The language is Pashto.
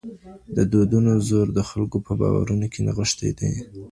د دودونو زور د خلکو په باورونو کې نغښتی دی.